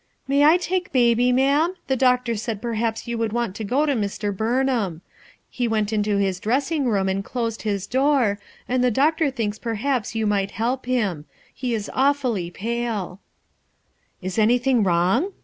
"May I take Baby, ma'am? The doctor said perhaps you would want to go to Mr. Burnham. lie went into his dressing room and closed his door, and the doctor thinks perhaps you might help him ; he Was awfully pale," "Is anything wrong?"